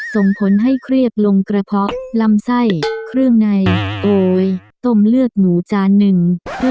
ส่งผลให้เครียดลงกระเพาะลำไส้เครื่องในโอ๊ยต้มเลือดหมูจานหนึ่ง